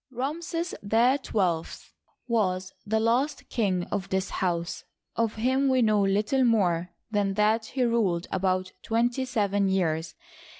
Ramses XII was the last king of this house. Of him we know little more than that he ruled about twenty seven years.